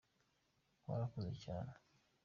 warakuze cyane.